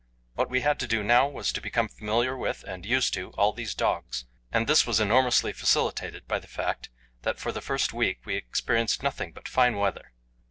What we had to do now was to become familiar with and used to, all these dogs, and this was enormously facilitated by the fact that for the first week we experienced nothing but fine weather.